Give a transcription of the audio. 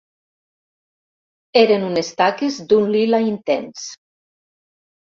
Eren unes taques d'un lila intens.